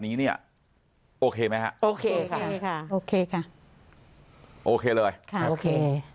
นี้เนี่ยโอเคไหมโอเคโอเค